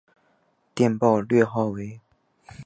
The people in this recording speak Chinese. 电报略号为。